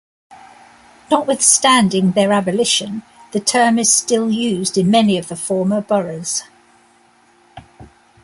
Notwithstanding their abolition, the term is still used in many of the former burghs.